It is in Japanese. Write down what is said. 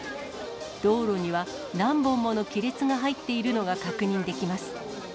道路には何本もの亀裂が入っているのが確認できます。